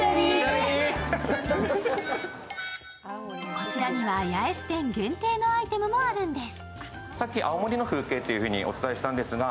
こちらには八重洲店限定のアイテムもあるんです。